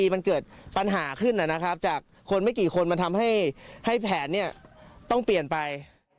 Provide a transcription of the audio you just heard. มันเกิดปัญหาขึ้นนะครับจากคนไม่กี่คนมันทำให้แผนต้องเปลี่ยนไป